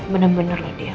bener bener lah dia